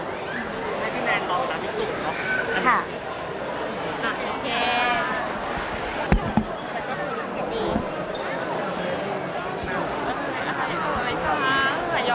แต่นะวันนี้เรายังไม่ใช้คำว่าเจออีก